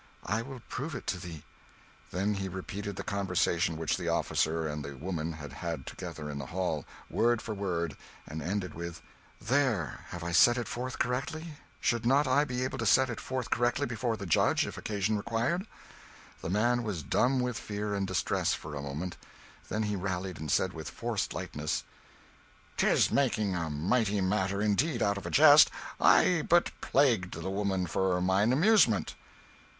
I will prove it to thee." Then he repeated the conversation which the officer and the woman had had together in the hall, word for word, and ended with "There have I set it forth correctly? Should not I be able to set it forth correctly before the judge, if occasion required?" The man was dumb with fear and distress, for a moment; then he rallied, and said with forced lightness "'Tis making a mighty matter, indeed, out of a jest; I but plagued the woman for mine amusement."